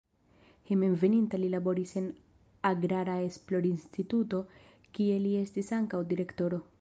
Hejmenveninta li laboris en agrara esplorinstituto, kie li estis ankaŭ direktoro.